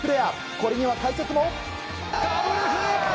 これには解説も。